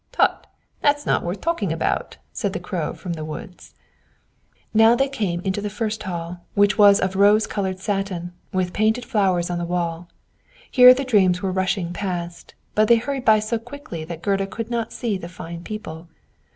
"Tut! that's not worth talking about," said the Crow from the woods. Now they came into the first hall, which was of rose colored satin, with painted flowers on the wall. Here the dreams were rushing past, but they hurried by so quickly that Gerda could not see the fine people.